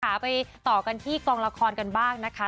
ไปต่อกันที่กองละครกันบ้างนะคะ